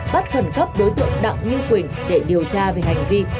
bắt khẩn cấp đối tượng đặng như quỳnh để điều tra về hành vi